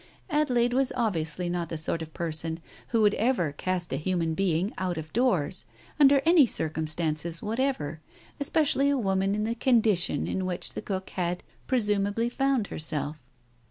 Adelaide was obviously not the sort of person who would ever cast a human being out of doors, under any circumstances whatever, especially a woman in the condition in which the cook had presum ably found herself.